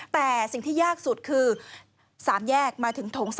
แต่สิ่งที่ยากสุดคือ๓แยกมาถึงโถง๓